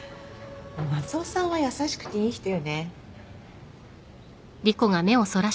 夏雄さんは優しくていい人よね？